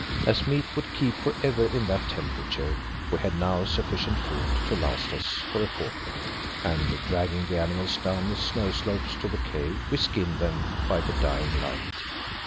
As meat would keep for ever in that temperature, we had now sufficient food to last us for a fortnight, and dragging the animals down the snow slopes to the cave, we skinned them by the dying light.